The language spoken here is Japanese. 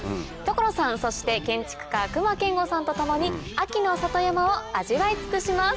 所さんそして建築家隈研吾さんと共に秋の里山を味わい尽くします。